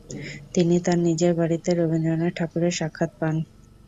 তিনি তাঁর নিজের বাড়িতে রবীন্দ্রনাথ ঠাকুরের সাক্ষাৎ পান।